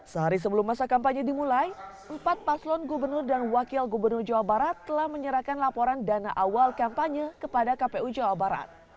sehari sebelum masa kampanye dimulai empat paslon gubernur dan wakil gubernur jawa barat telah menyerahkan laporan dana awal kampanye kepada kpu jawa barat